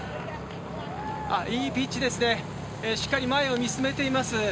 いいピッチですね、しっかり前を見つめています。